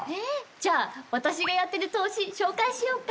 じゃあ私がやってる投資紹介しようか。